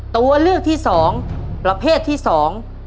ตัวเลือกที่สองประเภทที่สอง